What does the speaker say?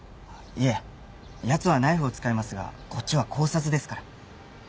いえヤツはナイフを使いますがこっちは絞殺ですから。